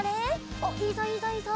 おっいいぞいいぞいいぞ。